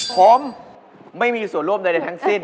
ผมไม่มีส่วนร่วมใดทั้งสิ้น